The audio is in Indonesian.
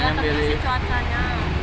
iya tetap masih cuacanya